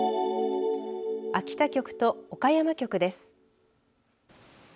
秋田局と岡山局です。